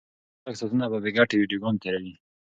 ځینې خلک ساعتونه په بې ګټې ویډیوګانو تیروي.